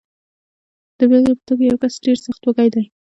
د بېلګې په توګه، یو کس ډېر سخت وږی دی.